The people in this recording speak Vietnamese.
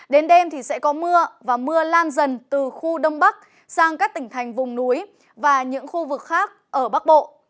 đến đêm thì sẽ có mưa và mưa lan dần từ khu đông bắc sang các tỉnh thành vùng núi và những khu vực khác ở bắc bộ